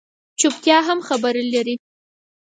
چُپتیا هم خبره لري